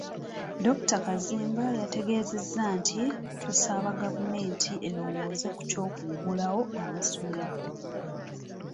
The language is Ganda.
Dr. Kazimba yategeezezza nti, tusaba gavumenti erowooze ku ky’okuggula amasomero.